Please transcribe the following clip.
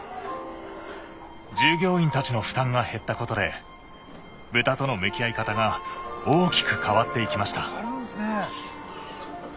従業員たちの負担が減ったことで豚との向き合い方が大きく変わっていきました。